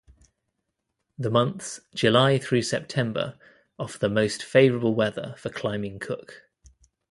The months July through September offer the most favorable weather for climbing Cook.